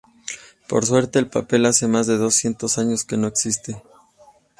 Por suerte el papel hace más de dos cientos años que no existe.